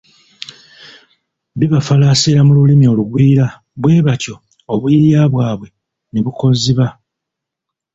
Bibafalaasira mu lulimi olugwira bwe batyo obuyiiya bwabwe ne bukonziba.